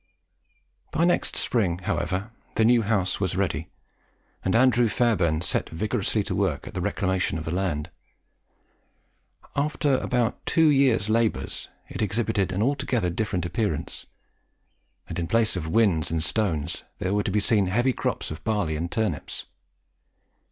By next spring, however, the new house was ready; and Andrew Fairbairn set vigorously to work at the reclamation of the land. After about two years' labours it exhibited an altogether different appearance, and in place of whins and stones there were to be seen heavy crops of barley and turnips.